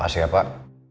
makasih ya pak